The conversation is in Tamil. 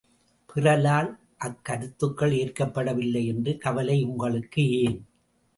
பிறரால் அக்கருத்துக்கள் ஏற்கப்படவில்லை என்ற கவலை உங்களுக்கு ஏன்?